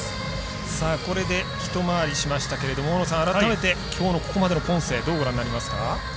これでひと回りしましたけど大野さん、改めてきょうのここまでのポンセどうご覧になりますか？